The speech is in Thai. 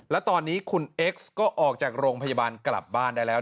และตอนนี้คุณเอ็กซ์ก็ออกจากโรงพยาบาลกลับบ้านได้แล้ว